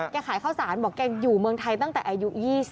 ขายข้าวสารบอกแกอยู่เมืองไทยตั้งแต่อายุ๒๐